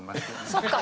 そっか。